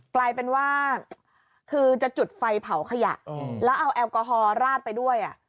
กลายเป็นว่าคือจะจุดไฟเผาขยะแล้วเอาแอลกอฮอลราดไปด้วย